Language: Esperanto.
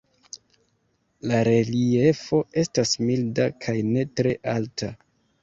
La reliefo estas milda kaj ne tre alta.